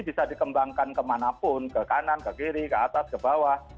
bisa dikembangkan kemanapun ke kanan ke kiri ke atas ke bawah